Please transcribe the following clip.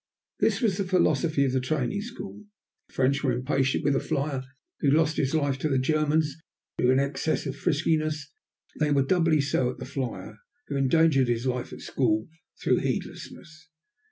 This was the philosophy of the training school. If the French were impatient with a flier who lost his life to the Germans through excess of friskiness, they were doubly so at the flier who endangered his life at school through heedlessness.